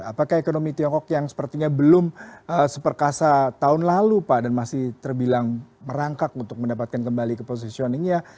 apakah ekonomi tiongkok yang sepertinya belum seperkasa tahun lalu pak dan masih terbilang merangkak untuk mendapatkan kembali ke positioningnya